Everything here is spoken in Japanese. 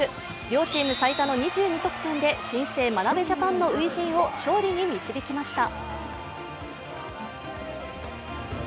両チーム最多の２２得点で新星・眞鍋ジャパンの初陣を勝利に導きました。